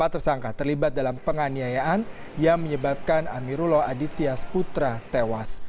empat tersangka terlibat dalam penganiayaan yang menyebabkan amirullah aditya sputra tewas